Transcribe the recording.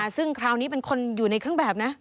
ซึ่งคราวนี้เป็นคนอยู่ในเครื่องแบบนะ